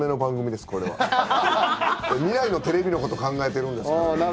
未来のテレビのことを考えているんですから。